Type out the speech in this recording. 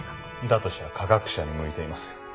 だとしたら科学者に向いていますよ。